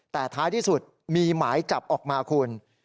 แต่ท้ายที่สุดมีหมายจับออกมาคุณ